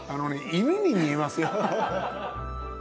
犬に見えますよ。